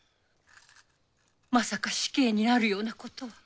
まさか死刑になるようなことは。